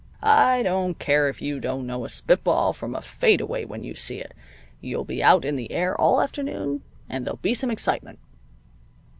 I don't care if you don't know a spitball from a fadeaway when you see it. You'll be out in the air all afternoon, and there'll be some excitement.